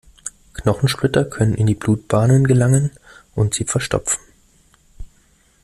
Knochensplitter können in die Blutbahnen gelangen und sie verstopfen.